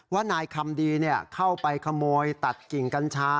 ว่านายคำดีเข้าไปขโมยตัดกิ่งกัญชา